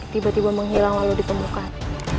tiba tiba menghilang lalu ditemukan